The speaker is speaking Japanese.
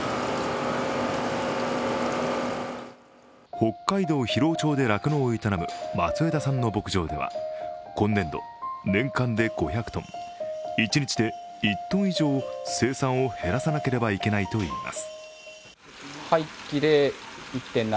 北海道広尾町で酪農を営む松枝さんの牧場は今年度、年間で５００ｔ、一日で１ｔ以上、生産を減らさなければいけないといいます。